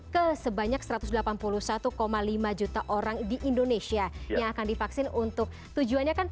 ke sebanyak satu ratus delapan puluh satu lima juta orang di indonesia yang akan divaksin untuk tujuannya kan